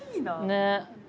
ねえ。